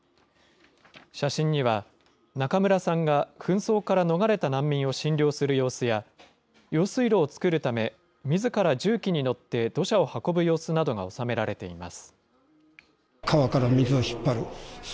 写真には、中村さんが紛争から逃れた難民を診療する様子や、用水路を作るため、みずから重機に乗って土砂を運ぶ様子などが収められています。